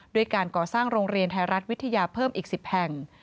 ด้วยการก่อสร้างโรงเรียนไทยรัฐวิทยาเพิ่มอีก๑๐แห่ง